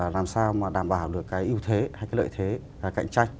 làm sao mà đảm bảo được cái ưu thế hay cái lợi thế cạnh tranh